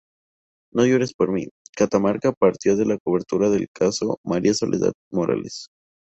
No llores por mí, Catamarca partió de la cobertura del caso María Soledad Morales.